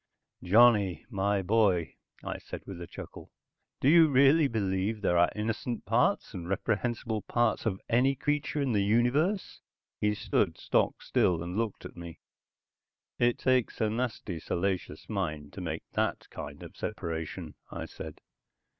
"Johnny, my boy," I said with a chuckle. "Do you really believe there are innocent parts and reprehensible parts of any creature in the universe?" He stood stock still and stared at me. "It takes a nasty, salacious mind to make that kind of separation," I said.